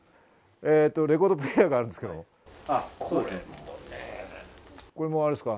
レコードプレーヤーがあるんですけれども。